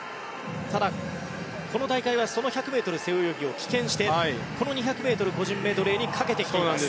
ただ、この大会はその１００ｍ背泳ぎを棄権してこの２００ｍ個人メドレーにかけてきています。